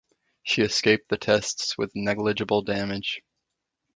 She escaped the tests with negligible damage.